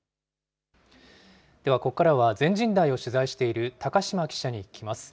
ではここからは、全人代を取材している高島記者に聞きます。